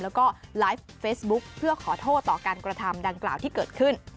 แล้วก็ไลฟ์เฟซบุ๊คเพื่อขอโทษต่อการกระทำดังกล่าวที่เกิดขึ้น